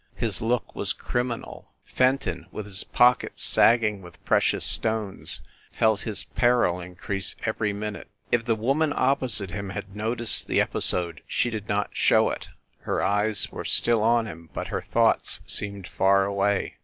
His look was criminal; Fenton, with his pockets sagging with precious stones, felt his peril increase every minute. If the woman opposite him had noticed the epi sode she did not how it. Her eyes were still on him, but her thoughts seemed far away.